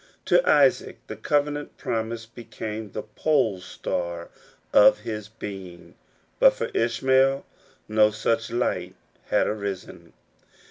To Isaac the covenant promise became the pole star of his being ; but for Ishmael no such light had arisen.